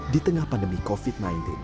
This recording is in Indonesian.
di tengah pandemi covid sembilan belas